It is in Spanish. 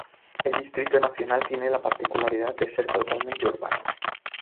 El Distrito Nacional tiene la particularidad de ser totalmente urbano.